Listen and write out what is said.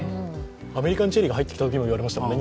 アメリカンチェリーが入ってきたときもいわれましたもんね。